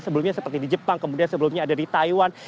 sebelumnya seperti di jepang kemudian sebelumnya ada di taiwan